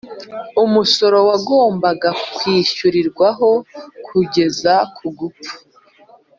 umusoro wagombaga kwishyurirwaho kugeza ku gupfa